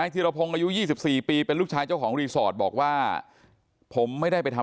อ่ะไม่กลัวอ่ะถ้าติดอ๋อติดก็ติดกันหมดเลยค่ะ